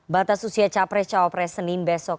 batas usia capres cawapres senin besok